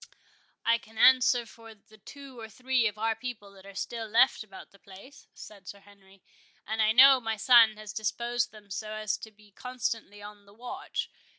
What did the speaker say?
"I can answer for the two or three of our people that are still left about the place," said Sir Henry; "and I know my son has disposed them so as to be constantly on the watch.